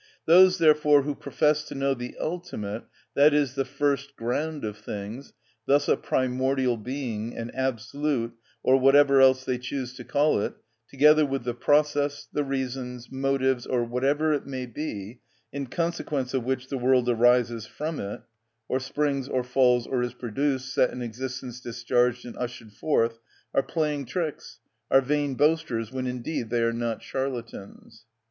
Those, therefore, who profess to know the ultimate, i.e., the first ground of things, thus a primordial being, an absolute, or whatever else they choose to call it, together with the process, the reasons, motives, or whatever it may be, in consequence of which the world arises from it, or springs, or falls, or is produced, set in existence, "discharged," and ushered forth, are playing tricks, are vain boasters, when indeed they are not charlatans.